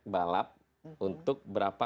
balap untuk berapa